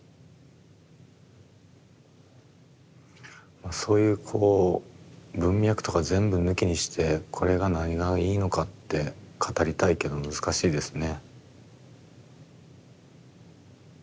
まあそういうこう文脈とか全部抜きにしてこれが何がいいのかって語りたいけど難しいですね。